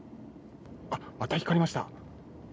あっ、また光りました。